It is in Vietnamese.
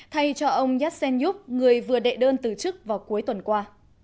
thay cho ông yatsenyuk người vừa đệ đơn từ chức vào cuối tuần qua